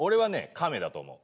カメだと思う。